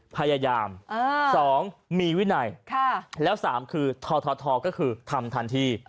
๑พยายาม๒มีวินัย๓ทอก็คือทำทันที